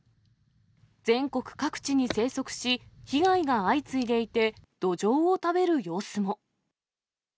全国各地に生息し、被害が相次いでいて、ドジョウを食べる様子も。